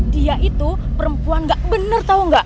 dia itu perempuan enggak bener tahu enggak